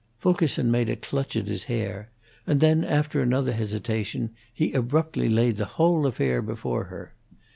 Fulkerson made a clutch at his hair, and then, after another hesitation, he abruptly laid the whole affair before her.